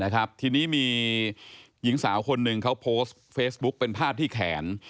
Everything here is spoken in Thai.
ทีนี้มีหญิงสาวคนหนึ่งเขาโพสต์เฟซบุ๊กเป็นภาพที่แขน